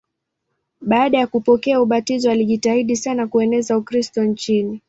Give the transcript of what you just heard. Baada ya kupokea ubatizo alijitahidi sana kueneza Ukristo nchini.